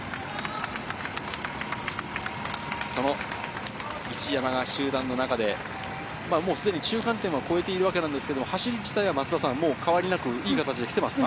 その一山が集団の中で、すでに中間点を越えていますが走り自体は変わりなくいい形できてますか？